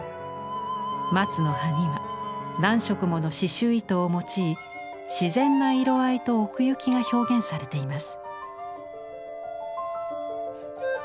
松の葉には何色もの刺繍糸を用い自然な色合いと奥行きが表現されています。